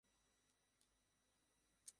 আবারো যেতে পারো।